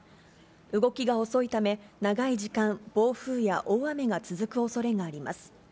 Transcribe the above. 動きが遅いため、長い時間、暴風や大雨が続くおそれがあります。